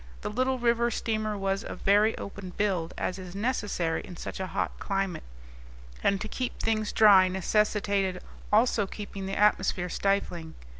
The little river steamer was of very open build, as is necessary in such a hot climate; and to keep things dry necessitated also keeping the atmosphere stifling.